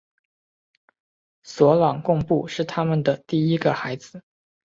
索朗贡布是他们的第一个孩子。